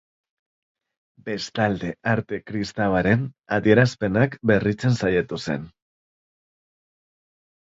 Bestalde, arte kristauaren adierazpenak berritzen saiatu zen.